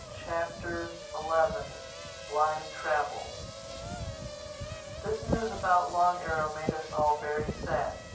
THE ELEVENTH CHAPTER BLIND TRAVEL THIS news about Long Arrow made us all very sad.